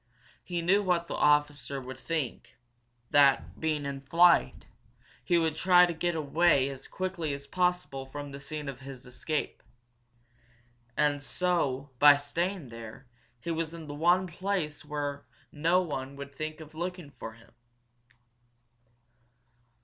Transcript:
He knew what the officer would think that, being in flight, he would try to get away as quickly as possible from the scene of his escape. And so, by staying there, he was in the one place where on one would think of looking for him!